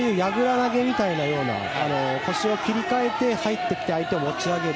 投げみたいな腰を切り替えて入ってきて相手を持ち上げる。